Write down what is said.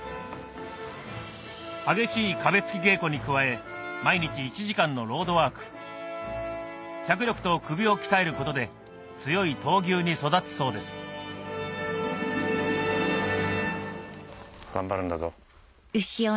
激しい壁突き稽古に加え毎日１時間のロードワーク脚力と首を鍛えることで強い闘牛に育つそうです頑張るんだぞ。